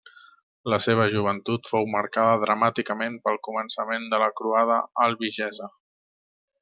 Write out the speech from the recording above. La seva joventut fou marcada dramàticament pel començament de la croada albigesa.